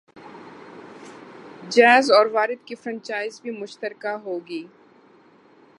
jazz اور وارد کی franchise بھی مشترکہ ہوں گی